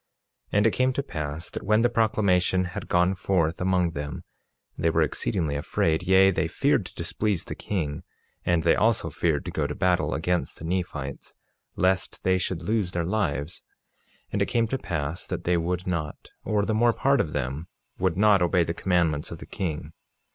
47:2 And it came to pass that when the proclamation had gone forth among them they were exceedingly afraid; yea, they feared to displease the king, and they also feared to go to battle against the Nephites lest they should lose their lives. And it came to pass that they would not, or the more part of them would not, obey the commandments of the king.